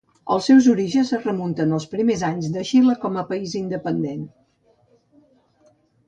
Els seus orígens es remunten als primers anys de Xile com a país independent.